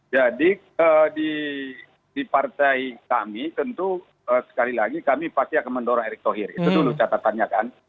jadi di partai kami tentu sekali lagi kami pasti akan mendorong erick thohir itu dulu catatannya kan